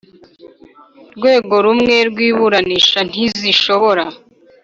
rwego rumwe rw iburanisha ntizishobora